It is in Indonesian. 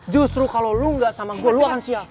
justru kalau lo gak sama gue lo akan sial